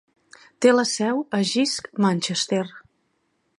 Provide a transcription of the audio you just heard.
Té la seu a Jisc Manchester.